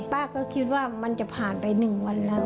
ป้าก็คิดว่ามันจะผ่านไป๑วันแล้ว